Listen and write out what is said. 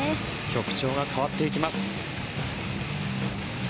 曲調が変わっていきます。